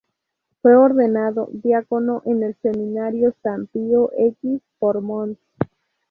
Fue ordenado diácono en el Seminario San Pío X, por Mons.